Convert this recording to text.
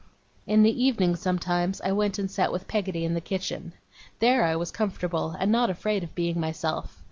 In the evening, sometimes, I went and sat with Peggotty in the kitchen. There I was comfortable, and not afraid of being myself.